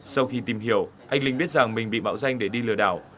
sau khi tìm hiểu anh linh biết rằng mình bị mạo danh để đi lừa đảo